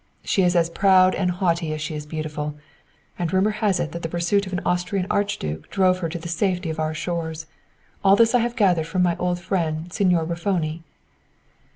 She is as proud and haughty as she is beautiful, and rumor has it that the pursuit of an Austrian Archduke drove her to the safety of our shores. All this I have gathered from my old friend, Signore Raffoni."